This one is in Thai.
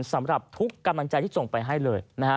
สำหรับทุกกำลังใจที่ส่งไปให้เลยนะฮะ